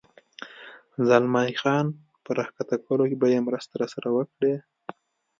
زلمی خان په را کښته کولو کې به یې مرسته راسره وکړې؟